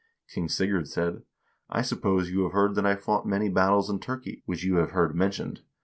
King Sigurd said: 'I suppose you have heard that I fought many battles in Turkey, which you have heard mentioned.